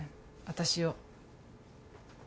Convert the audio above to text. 私を。